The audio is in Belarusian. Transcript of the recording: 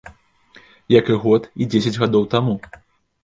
Як і год, і дзесяць гадоў таму.